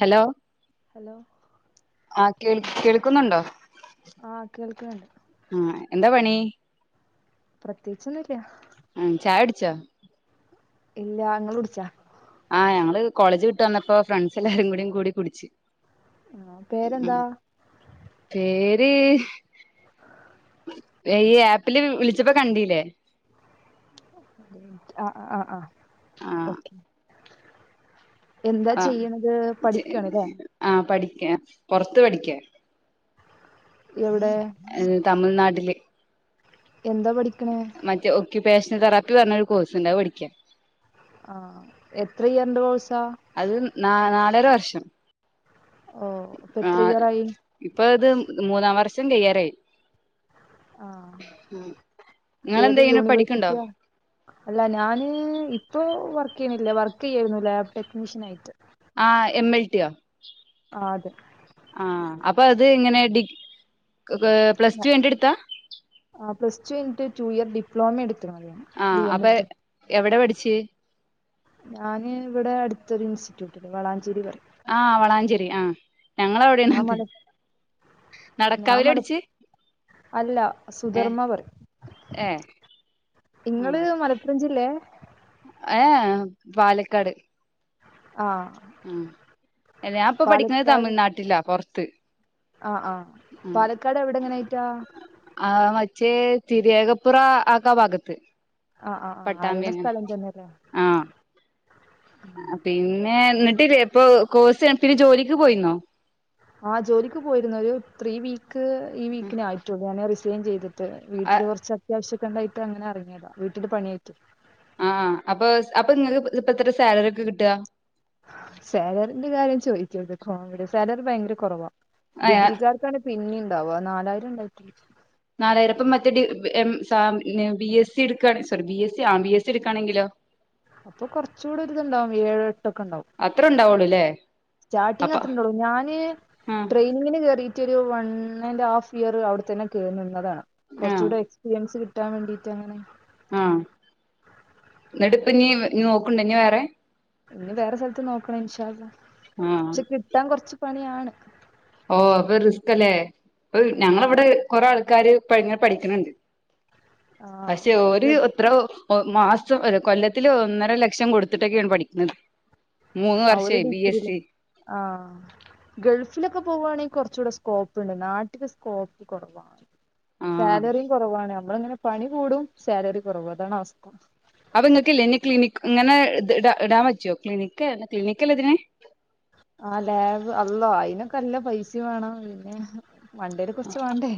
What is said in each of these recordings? Hello hello ആഹ് കേൾ കേൾക്കുന്നുണ്ടൊ? ആഹ് കേൾക്ക്ണ് ണ്ട് ആഹ് എന്താ പണീ? പ്രത്യേയിച്ചൊന്നുല്ല. ആഹ് ചായുടിച്ചാ? ഇല്ലാ ഇങ്ങളുടിച്ചാ? ആഹ് ഞങ്ങള് കോളേജ് വിട്ട് വന്നപ്പൊ ഫ്രണ്ട്സ് എല്ലാരും കൂടീം കൂടി കുടിച്ച് ആഹ് ഉം പേരെന്താ പേര് ഈ ആപ്പില് വിളിച്ചപ്പൊ കണ്ടീല്ലേ ആഹ് ആഹ് ആഹ് ആഹ് ആഹ് ഓക്കെ എന്താ ആഹ് ചെയ്യണത് ചെ പഠിക്കാണ്ല്ലേ ആഹ് പഠിക്ക പൊറത്ത് പഠിക്ക എവിടെ തമിൽനാട്ടില് എന്താ പഠിക്കണേ? മറ്റെ ഒക്യുപ്പേഷൻ തെറാപ്പി പറഞ്ഞൊരു കോഴ്സ് ഉണ്ട് അത് പഠിക്യാ ആഹ് എത്രഇയറിന്റെ കോഴ്‌സാ അത് ന നാലര വർഷം ഓഹ് ഇപ്പൊ എത്ര ആഹ് ഇയറായി ഇപ്പൊ ഇത് മൂന്നാം വർഷം കയ്യാറായി ആഹ് ഏത് നിങ്ങളെന്താ ചെയ്യണ് പഠിക്ക്ണ്ടോ യൂണിവേഴ്സിറ്റിയാ അല്ല ഞാന് ഇപ്പൊ വർക്ക് ചെയ്യണില്ല വർക്ക് ചെയ്യായിരുന്നു ലാബ് ടെക്നീഷ്യൻ ആയിട്ട് ആഹ് എം എൽ ടിയൊ ആഹ് അതെ ആഹ് അപ്പൊ അത് ഇങ്ങനെ ഡിഗ് പ്ലസ് ടുഴിഞ്ഞിറ്റ്എടുത്താ ആഹ് പ്ലസ് ടു കഴിഞ്ഞിട്ട് റ്റൂ ഇയർ ഡിപ്ലോമ എടുത്തിരുന്നു മതിയാണ് ആഹ് ഡി എം അപ്പൊ എൽ റ്റി എവിടെ പഠിച്ച് ഞാന് ഇവിടെ അടുത്തൊരു ഇൻസ്റ്റിറ്റ്യൂട്ടില് വളാഞ്ചേരി പറ ആഹ് വളാഞ്ചേരി ആഹ് ഞാൻ ഞങ്ങളവിടെണത് മല ഞാൻ മല നടക്കാവിലടിച്ച് അല്ല സുധർമ്മ പറ ഏഹ് ഇങ്ങള് മലപ്പുറം ജില്ലേ? ഏ പാലക്കാട് ആഹ് ഉം ഞാൻപ്പൊ പഠിക്ക്ണത് തമിഴ്നാട്ടിലാ പൊറത്ത് ആഹ് ആഹ് ആഹ് പാലക്കാട് എവിടെങ്ങനായിറ്റാ ആഹ് മറ്റേ തിരിയേകപ്പുറ ആക്ക ഭാഗത്ത് ആ ആ ആ അറിയണ പട്ടാമ്പ്യന്നെ സ്ഥലം തന്നെയല്ലേ ആഹ് പിന്നെ എന്നിട്ട്ലെ ഇപ്പൊ കോഴ്സ്ഴിഞ്ഞ്ട്ട് പിന്നെ ജോലിക്ക് പോയിന്നോ ആഹ് ജോലിക്ക് പോയിരുന്നു ഒരു ത്രീ വീക്ക് ഈ വീക്കിനായിട്ടോള്ളൂ ഞാനത് റിസൈൻ ചെയ്ത് ട്ട് വീട്ടില് കൊറച്ച് അത്യാവശ്യോക്കെ ഇണ്ടായിട്ട് അങ്ങനെ എറങ്ങിയത വീട്ടില് പണ്യായിറ്റെ ആഹ് അപ്പൊ അപ്പൊ ഇങ്ങക്ക് ഇപ്പത്രേ സാലറിയൊക്കെ കിട്ട സേലറിന്റെ കാര്യം ചോയിക്കര്ത് കോമഡി സാലറി ഭയങ്കര കൊറവാ ഡിഗ്രിക്കാർക്കാണ് പിന്നിം ഇണ്ടാവ നാലായിരം ഇണ്ടാക്കി നാലായിരംപ്പം മറ്റേ ഡി എം സാ ബി എസ് സി എട്ക്കാണ് സോറി ബി എസ് സി ആ ബി എസ് സിട്ക്കാണെങ്കിലോ അപ്പൊ കൊറച്ചൂടെ ഒര്ത്ണ്ടാവും ഏഴ് എട്ടൊക്കെണ്ടാവും അത്രണ്ടാവൊള്ളൂ ലേ സ്റ്റാർട്ടിംങ് അത്രണ്ടാവൊള്ളൂ ഞാന് ആഹ് ട്രൈ നിങ്ങ്ന് കേറീട്ടൊരു വൺ ആൻഡ് ഹാഫ് ഇയർ അവടെത്തന്നെ കേറ് നിന്നതാണ് ആഹ് കൊറച്ചുടെ എക്സ്പീരിയൻസ് കിട്ടാൻ വേണ്ടിട്ട് അങ്ങനെ ആഹ് ഇന്നെട്ട്പ്പഞ്ഞ് നോക്ക്ണ്ടോ വേറെ ഇഞ്ഞ് വേറെ സ്ഥലത്ത് നോക്കണം ഇൻഷാ അള്ളാ ആഹ് പക്ഷെ കിട്ടാൻ കൊറച്ച് പണ്യാണ് ഓഹ് വേറ്തലേ അഹ് ആദ്യം ഞങ്ങളെവടെ കൊറെ ആൾക്കാര് പ പഠിക്ക്ണണ്ട് പക്ഷെ ഓര് ആഹ് ഇത്ര ഒ മാസം ഒര് കൊല്ലത്തില് ഒന്നര ലക്ഷം കൊട്ത്തിട്ടൊക്ക്യാണ് പഠിക്ക്ണത് അവര് ഡിഗ്രിയിലേ ആഹ് ഗൾഫിലൊക്കെ പോവാണെങ്കി കൊറച്ചൂടെ സ്കോപ്പ്ണ്ട് നാട്ടിലെ സ്കോപ്പ് കൊറവാണ് ആഹ് സാലറിം കൊറവാണ് നമ്മള്ങ്ങനെ പണി കൂടും സാലറി കൊറവു അതാണ് അവസ്ഥ അപ്പ ഇങ്ങക്ക്ലെ ഇന്ന ക്ലിനിക് ഇങ്ങനെ ഇ ഇടാൻ പറ്റൊ ക്ലിനിക്ക് ഏത ക്ലിനിക്കല്ലേ ഇതിന് ആഹ് ലാബ് അള്ളാ അയിനൊക്കെ നല്ല പൈസ വേണം പിന്നെ മണ്ടേല് കൊറച്ച് വാണ്ടേ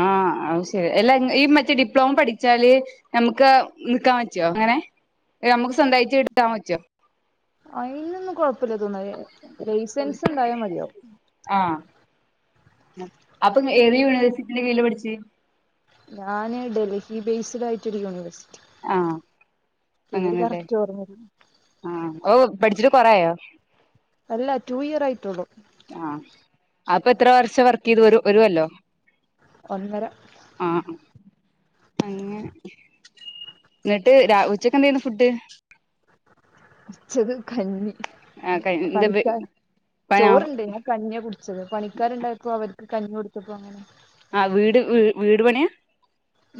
ആഹ് അതും ശരി അല്ല ഈ മറ്റേ ഡിപ്ലോമ പഠിച്ചാല് ഞമ്മക്ക് നിക്കാൻ പറ്റൊ അങ്ങനെ നമുക്ക് സ്വന്തായിട്ട് ഇട്ക്കാൻ പറ്റോ അയിനൊന്നും കൊഴപ്പല്ല തോന്ന് ഏ ലൈസൻസ്ണ്ടായാ മതിയാവു ആഹ് അപ്പൊ ഏത് യൂണിവേഴ്സിറ്റിന്റെ കീഴിലാ പഠിച്ചേ ഞാന് ഡൽഹി ബേസിലായിറ്റൊരു യൂണിവേഴ്സ് ആഹ് പേര് അങ്ങനെല്ലേ കറക്റ്റ് ഓർമല്ല ആഹ് ഓഹ് പഠിച്ചിട്ട് കൊറേ ആയോ അല്ല ടു ഇയർ ആയിട്ടോള്ളു ആഹ് അപ്പ എത്ര വർഷം വർക്കെയ്തു ഒര് ഒര് കൊല്ലോ ഒന്നര ആഹ് ആഹ് അങ്ങനെ ഇങ്ങെട്ട് രാ ഉച്ചക്കെന്തേനു ഫുഡ് ഉച്ചക്ക് കഞ്ഞി ആഹ് കഴി എന്താ പണിക്ക പണി ചോറ്ണ്ട് ഞാൻ കഞ്ഞ്യാ കുടി ച്ചത് പണിക്കാര്ണ്ടായപ്പോ അവർക്ക് കഞ്ഞി കൊട്ത്തപ്പോ അങ്ങനെ ആഹ് വീട് വീട് പണ്യ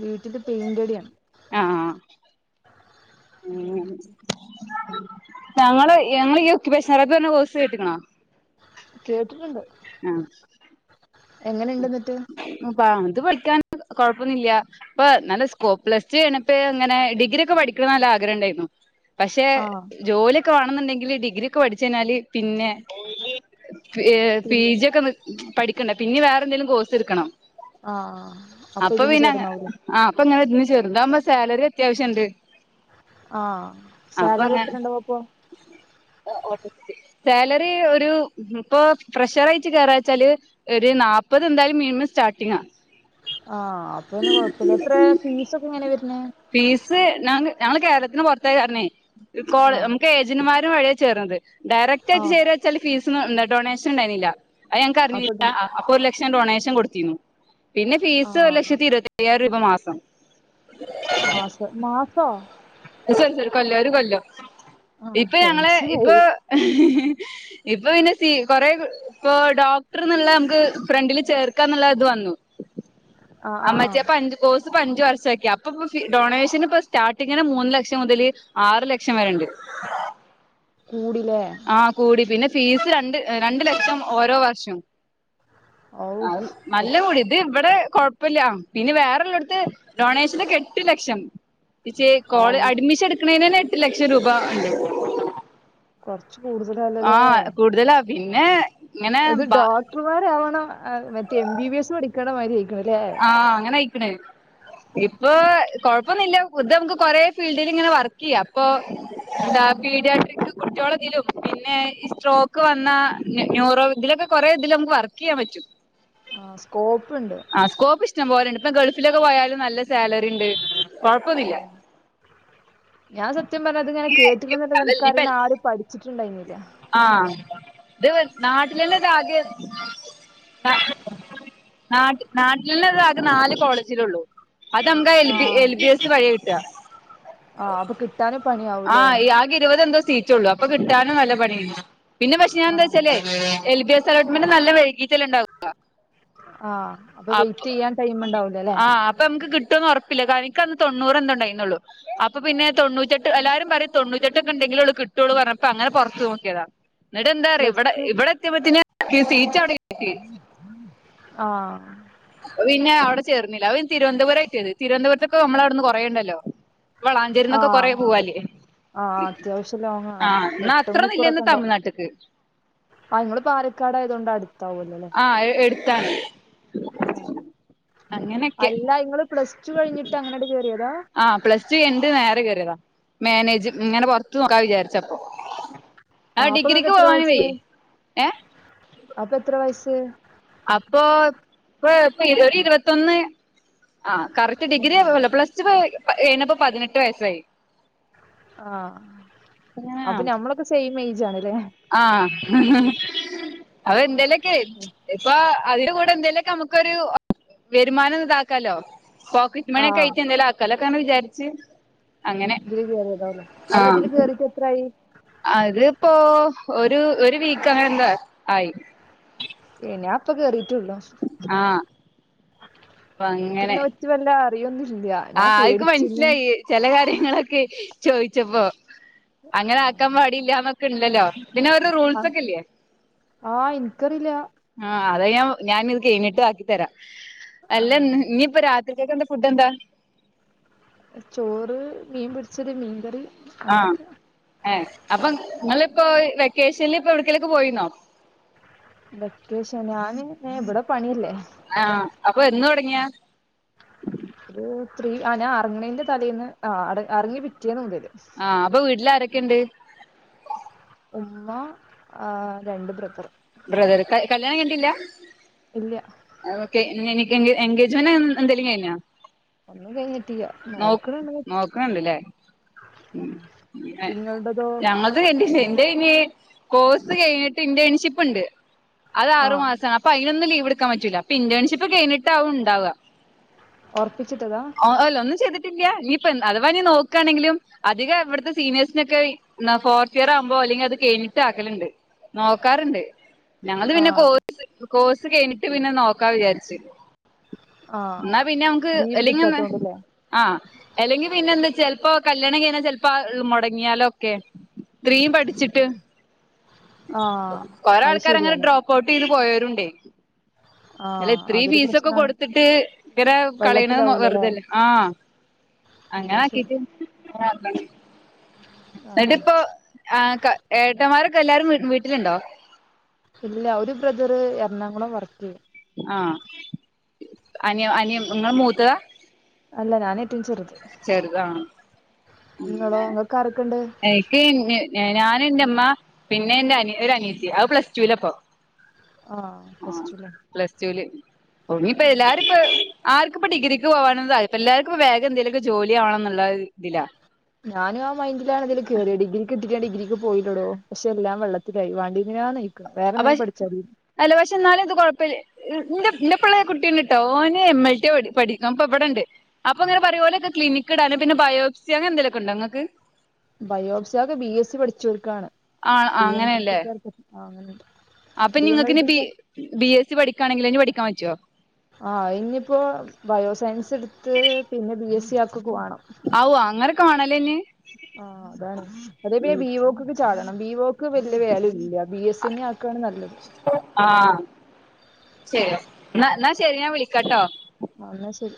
വീട്ടില് പെയിന്റട്യാണ് ആഹ് ഉം ഞങ്ങള് ഞങ്ങള് ഈ ഒക്ക്യുപേഷനെററ് പറഞ്ഞ കോഴ്സ് കേട്ട്ക്ക്ണോ കേട്ടിട്ട്ണ്ട് ആഹ് എങ്ങനെണ്ട് ഇന്നെട്ട് പാ അത് പഠിക്കാൻ കൊഴപ്പൊന്നില്ല ഇപ്പൊ നല്ല സ്കോപ് ലസ് ചെയ്യണപ്പപ്പോ അങ്ങനെ ഡിഗ്രി ഒക്കെ പഠിക്കണ നല്ല ആഗ്രഹം ഉണ്ടായിരുന്നു പക്ഷെ ആ ജോലിയൊക്കെ വണന്നുണ്ടെങ്കില് ഡിഗ്രി ഒക്കെ പഠിച്ചു കഴിഞ്ഞാല് പിന്നെ പിൻ പി ജി ഒക്കെ പഠിക്കണ്ട പിന്നെ വേറെ എന്തേങ്കിലും കോഴ്സ് എടുക്കണം ആഹ് അപ്പൊ ഇതിന് ചേർന്നാവൂലേ ആ അപ്പൊ ഇങ്ങെ ഇന്ന് ചേർതിവു ബോ സാലറി അത്യാവശ്യം ഉണ്ട് ആഹ് സാലറി എത്ര ഉണ്ടാവും അപ്പൊ ആ [unintelligible] സാലറി ഒരു ഇപ്പൊ പ്രഷർയിട്ട് കയറാച്ചാല് ഒരു നാപ്പ പ്പത് എന്തായാലും മിനിമം സ്റ്റാട്ടിങ്ങാ ആഹ് അപ്പൊ പിന്നെ കൊഴപ്പില്ല എത്ര ഫീസ ഒക്കെ എങ്ങനെയ വരണ് ഫീസ് ഞങ്ങള് കേരളത്തിന് പുറത്തേ ആ [unintelligible] നമുക്ക് ഏജന്റ് മാര് വഴിയ ചേർന്നത് ഡയറക്റ്റ് ആ ആയിട്ട് ചേര വെച്ചാൽ ഫീസ് ഡൊണേഷൻ ഉണ്ടായിരുന്നില്ല അ ഞനക്ക് അറിഞ്ഞില്ല അപ്പത് അപ്പൊ ഒരു ലക്ഷം ഡൊണേഷൻ കൊടുത്തിരുന്നു പിന്നെ ആ ഫീസ് ഒരു ലക്ഷത്തി ഇരുപ അയ്യായിരം രൂപ മാസം മാസം മാസോ സ ഒരു കൊല്ലോ ഒരു കൊല്ലോ ആ ഇപ്പൊ ഞങ്ങള് ഇപ്പൊ ടെൻഷനായി ഇപ്പൊ പിന്നെ സ കൊറ ഇപ്പൊ ഡോക്ടർ ന്ന്ള്ള നമുക്ക് ഫ്രണ്ടിൽ ചേർക്കാ എന്നുള്ള ഇത് വന്നു ആ മറ്റോ പഞ്ച് കോഴ്സ് അഞ്ച് വർഷം ആക്കി അപ്പപ്പ ഡൊണേഷൻ ഇപ്പം സ്റ്റാർട്ടിങ്ങിന് മൂന്ന് ലക്ഷം മുതല് ആറ് ലക്ഷം വരെ ഇണ്ട് ഉ കൂടിലേ ആ കൂടി പിന്നെ ഫീസ് രണ്ട് രണ്ടു ലക്ഷം ഓരോ വർഷം ഔ കൊ നല്ല കൂടി ഇത് ഇവിടെ കൊഴപ്പില്ല പിന്നെ വേറെല്ല ഇള്ളടത്ത് റോണേഷനെക്കെ എട്ട് ലക്ഷം പച്ചേ കോള അള്ളാ അഡ്മിഷൻ എടുക്കണന് തന്നെ എട്ട് ലക്ഷം രൂപ ഉണ്ട് കുറച്ച് കൂടുതലാ ആഹ് കൂടുതലാ പിന്നെ ഇങ്ങനെ ഇത് ബ ഡോക്ടർമാര് ആവണ മറ്റേ എം ബി ബി എസ് പഠിക്കേണ്ട മാതി ആയിരിക്ക്ണ് അല്ലെ ആഹ് അങ്ങനെ ആയിക്ക്ണേ ഇപ്പൊ കൊഴപ്പൊന്നില്ല ഇത് നമുക്ക് കൊറെേ ഫീൽഡിൽ ഇങ്ങനെ വർക്ക് ചെയ്യാം അപ്പൊ എന്താ പീഡിയട്രിക് കുട്ടികള ഇതിലും പിന്നെ ഈ സ്ട്രോക്ക് വന്ന ന്യൂറോ ഇതിലൊക്കെ കുറെ ഇതി നമുക്ക് വർക്ക് ചെയ്യൻ പറ്റും ആ സ്കോപ്പ് ഇണ്ട് ആ സ്കോപ്പ് ഇഷ്ടം പോലെണ്ട് ഇപ്പൊ ഗൾഫിലൊക്കെ പോയാലും നല്ല സാലറി ഉണ്ട് കൊഴപ്പൊന്നുല്ല ഞാൻ സത്യം പറഞ്ഞ ഇത് ഇങ്ങനെ കേട്ടിട്ടന്ന അതല്ല ഇനിക്ക് ഇപ്പ അറിന്നെ ആരും പടി ച്ചിട്ട് ഉണ്ടായിരുന്നില്ല ആഹ് ഇത് നാട്ടിലെന്നെ ഇത് ആദ്യം നാ നാട്ടിൽന്ന ആകെ നാല് കോളേജില ഒള്ളു അത് നമുക്ക് ആ എൽ ജി എസ് വഴി കിട്ട ആഹ് അപ്പ കിട്ട കിട്ടാന് പണിയാകും ആഹ് ആകെ ഇരുവത് എന്തോ സീറ്റ് കൂ അപ്പൊ കിട്ടാനും നല്ല പണിയ പിന്നെ പക്ഷെ ഞാൻ ആ എന്താ വെച്ചേ എൽ ബി എസ് അലോട്ട്മെന്റ് നല്ല വൈകീട്ട ഉണ്ടാവുക ആ അപ്പൊ വെയിറ്റ് ചെയ്യാൻ ടൈമ്ണ്ടാവൂലല്ലേ ആ അപ്പൊ നമുക്ക് കിട്ടുമന്ന് ഉറ എനിക്ക് അന്ന് തൊണ്ണൂറ് എന്തുണ്ടായിരുന്നു ഒള്ളു അപ്പൊ പിന്നെ തൊണ്ണൂറ്റെട്ട് എല്ലാരും പറയും തൊണ്റ്റട്ടക്കെ ഉണ്ടെങ്കിലെ കിട്ടൂ പറഞ്ഞ അപ്പം അങ്ങനെ പുറത്ത് നോക്കിയതാ എന്നിട്ട് എന്താ പറ പ്ലസ് ഇവിടെ ടു ഇവിടെ എത്തിയപ്പോത്തിന് സീറ്റ് കിട്ടി ആഹ് പിന്നെ അവിടെ ചേർന്നില്ല [unintelligible] തിരുവനന്തപുരമായിട്ട് തിരുവനന്തപുരത്തൊക്ക നമ്മള അവിടുന്ന് കുറയുണ്ടല്ലോ വളാഞ്ചേരിന്നൊക്കെ കൊറേ ആഹ് അത്യാവശ്യം ലോങ്ങാണ് ആഹ് എന്നാ എട്ട് അത്രൊന്നും ഇല്ലന്ന് മണിക്കൂറൊക്കെണ്ടാവും തമിഴ്നാട്ട്ക്ക് ആഹ് ഇങ്ങള് പാലക്കാട് ആയതോണ്ട് അട്ത്താവല്ലോല്ലേ ആഹ് എ എട്ത്താണ് ആഹ് അങ്ങനെയൊക്കെ അല്ല ഇങ്ങള് പ്ലസ്റ്റു കഴിഞ്ഞിട്ട് അങ്ങനാണ്ട് കേറിയതാ ആഹ് പ്ലസ്റ്റു കെയ്നിട്ട് നേരെ കേറ്യേതാ മേനേജ് ഇങ്ങെനെ പൊർത്ത് നോക്കാ വിചാരിച്ചപ്പൊ ആഹ് അപ്പൊ ഇങ്ങക്ക് ഡിഗ്രിക്ക് എത്ര പോവാനും വയസ്സ് വെയ്യേ അപ്പൊ എത്രെ വയസ്സ് അപ്പൊ ഇപ്പ ഇര്പത് ഇര്പത്തൊന്ന് ആഹ് കറക്റ്റ് ഡിഗ്രി ല്ല പ്ലസ്റ്റു കയ്ഞ്ഞപ്പം പതിനെട്ട് വയസ്സായി ആഹ് അപ്പൊ ഞമ്മളൊക്കെ സെയിം ഏയ്ജ് ആണ്ലേ ആഹ് അത് എന്തേലെക്കെ ഇപ്പൊ അതിന്റെ കൂടെ എന്തേലൊക്കെ നമുക്കൊരു വെരുമാനം താക്കാലോ പോക്കെറ്റ് മണ്യൊക്കെ ആഹ് ആയ്ട്ട് എന്തേലു ആക്കാലൊക്കൊങ്ങെനെ വിചാര്ച്ച് ഇതില് കേറ്യതോ അല്ല ഇതില് കേറീട്ടെത്രായി അത്പ്പോ ഒരു ഒര് വീക്കാേ അങ്ങെനെന്താ ആയി ഏ ഞാപ്പ കേറീട്ടാെള്ളു ആഹ് പ്പങ്ങെനെ ച്ച് വല്ലാ അറിയൊന്നും ഇല്ല ആഹ് അത്ക്ക് മൻസ്സ്ലായ് ചെലെ കാര്യങ്ങളൊക്കെ ചോയ്ച്ചപ്പോ അങ്ങെനെ ആക്കാം പാടില്ലാ ന്നൊക്കെണ്ടല്ലോ പിന്നെ അവര്ടെ ആഹ് റൂൾസാെക്കെല്ല്യേ ആഹ് ഇൻക്കറീല ആഹ് അത് ഞാ ഞാനിത് കെയ്ഞ്ഞിട്ട് ആക്കി തരാം അല്ലന്ന് ഇഞ്ഞിപ്പ രാ ഉച്ചകെന്താ ഫുഡ്ഡെന്താ? ചോറ് മീൻ പൊരിച്ചത് മീൻകറി. ആ അങ്ങനൊക്കെ ഏ അപ്പം നിങ്ങളിപ്പോ വെക്കേഷനിൽ ഇപ്പ എവിട്ക്കേലും പോയിന്നോ? വെക്കേഷൻ ഞാന് ഇവിടെ പണിയല്ലേ ആ അപ്പൊ എന്ന് തുടങ്ങിയാ ഒരു ത്രീ ആ ഞാൻ അറങ്ങണേന്റെ തലേന്ന് ആടെ അറങ്ങി പിറ്റേന്ന് മുതല് ആ അപ്പൊ വീട്ടിലാരൊക്കെണ്ട്? ഉമ്മ ആ രണ്ട് ബ്രദർ ബ്രദർ കല്യാണം കയ്ഞ്ഞിട്ട്ല്ല? ഇല്ല ഓക്കെ എനിക്ക് എൻഗേജ്മെന്റ് എന്തെങ്കിലും കയ്ഞ്ഞൊ? ഒന്നും കഴിഞ്ഞിട്ടില്ല നോ നോക്കണണ്ട് നോക്ക്ണണ്ടല്ലേ പിന്നെ നിങ്ങളുടേതോ ഞങ്ങള്ത് [unintelligible] ഇതയ്ന് കോഴ്സ് കഴിഞ്ഞിട്ട് ഇന്റേൺഷിപ്പ്ണ്ട് അത് ആ ആറു മാസാണ് അപ്പ അയിനൊന്നും ലീവ് ഇട്ക്കാൻ പറ്റൂല അപ്പ ഇന്റെൺഷിപ്പ് കയിഞ്ഞിട്ടാവും ഇണ്ടാവ ഒർപ്പിച്ചിട്ടതാ ഓ അല്ല ഒന്നും ചെയ്തിട്ടിയില്ല്യ, നീ ഇപ്പോ എന്ത് അഥവാ നീ നോക്കുകയാണെങ്കിലും അധികം ഇവിടുത്തെ സീനിയേഴ്സിനൊക്കെ. ഇന്നാ ഫോർത്ത് ഇയർ ആവുമ്പോ അല്ലെങ്കി അത് കെയ്ഞ്ഞിട്ട് ആക്കൽണ്ട് നോക്കാറുണ്ട് ഞങ്ങള്ത് ആ പിന്നെ കോഴ്സ് കോഴ്സ് കെഴിഞ്ഞിട്ട് പിന്നെ നോക്കാ വിചാരിച്ച് ആ ഇന്നാ പിന്നെ അമക്ക് ലീവ് എല്ലുങ്ങന്നേ കിട്ടാത്തോണ്ടല്ലേ ആഹ് എല്ലെങ്കി പിന്നെ എന്ത ച്ചാ ചെൽപ്പോ കല്യാണം കഴിഞ്ഞ ചെൽപ്പോ അത് മൊടങ്ങിയാലൊ ക്കെ ഇത്രീം പഠിച്ചിട്ട് ആ കൊറെ അത് ആൾക്കാര് അങ്ങനെ ശരിയാണ് ഡ്രോപ്പ് ഔട്ട് ചെയ്ത് പോയോരുണ്ടേ ആ അല്ല ഇത്രയും അതൊരു ഫീസൊക്കെ പ്രശ്നാണ് കൊടുത്തിട്ട് ഇങ്ങനെ കളയണത് മോ വെള്ളത്തിലാവൂലല്ലേ വെറുതെയല്ലേ ആഹ്. അങ്ങനെ അത് ശരി ആക്കീറ്റ് അങ്ങനെ ആക്കണ് ആ ഇന്നട്ട്പ്പോ ആ ക ഏട്ടൻമാരൊക്കെ എല്ലാരും വീട്ടിലുണ്ടോ ഇല്ല ഒരു ബ്രദറ് എറണാകുളം വർക്ക് ചെയ്യും ആഹ് അനിയം അനിയം ഇങ്ങള മൂത്തതാ അല്ല ഞാനേറ്റവും ചെറ്ത് പിന്നെ എനിക്ക് ഞാ ഞാന് എന്റെ ഉമ്മ. പിന്നെ എന്റെ അനിയ ഒര അനീയത്തി അത് പ്ലസ് റ്റൂലാപ്പോ ആഹ് പ്ലസ് റ്റുലെ പ്ലസ് റ്റൂല് ഒങ്ങിപ്പോ എല്ലാരു ഇപ്പ ആർക്കുപ്പ ഡിഗ്രിക്ക് പോവാനൊനും താത്പരില്ല എല്ലാർക്കും വേ എന്തേലും ഒക്കെ ജോലി ആവണമെന്നുള്ള ഇതില്. ഞാനും ആ മൈൻഡിലാണ് ഇതില് കേറിയെ ഡിഗ്രിക്കിട്ടിറ്റ് ഞാൻ ഡിഗ്രിക്ക് പോയില്ലോടോ പക്ഷെ എല്ലാം വെള്ളത്തിലായി വണ്ടിന്നിലാന്നയി ക്കാ അപ്പ വേറെന്തേലും പഠിച്ചാരുന്നോ? അല്ല പക്ഷെ എന്നാലും ഇത് കൊഴപ്പല്ലേ ഈ എൻ്റെ എൻ്റെ പിള്ള ഒരു കുട്ടിയുണ്ട് കേട്ടോ ഓന് എം എൽ ടി പ പഠിക്കും അപ്പൊ എവിടെ ഉണ്ട്. അപ്പൊ അങ്ങന പറയും ഓലൊക്കെ ക്ലിനിക്ക് ഇടാന് പിന്നെ ബയോപ്സി അങ്ങനെന്തെലൊക്കെണ്ടോങ്ങക്ക് ബയോബ്സി അത് ബി എസ് സി പഠിച്ചവർക്കാണ് ആ ബി എം എൽ ടിക്കാർക്ക് ആ അങ്ങനണ്ട് ആഹ് അപ്പൊ ഇനി നിങ്ങൾക്ക് ഇനി ബി ബി എസ് സി പഠിക്കാണെങ്കിൽ ഇനി പഠിക്കാൻ പറ്റുമോ? ആ ഇഞ്ഞിപ്പോ ബയോസയൻസ് ഇട്ത്ത് പിന്നെ ബി എസ് സി ആക്കോക്കെ വാണം ആവൂ അങ്ങനെ കാണാല് തന്നെ. ആ അതാണെയ് അതേപിയെ ബി ഓക്ക് ക്ക് ചാടണം ബിയോക്ക് ക്ക് വലിയ വാല്യൂ ഇല്ല, ബി എസ് സി തന്നെ ആക്കുവാണ് നല്ലത്. ആഹ് ശരി ഇന്നാ ഇന്നാ ശരി ഞാൻ വിളിക്കട്ടോ ആഹ് എന്നാ ശരി.